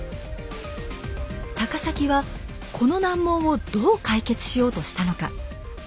高碕はこの難問をどう解決しようとしたのか？